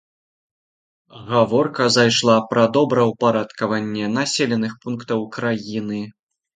Гаворка зайшла пра добраўпарадкаванне населеных пунктаў краіны.